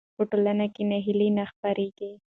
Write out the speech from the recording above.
په ټولنه کې ناهیلي نه خپرېږي.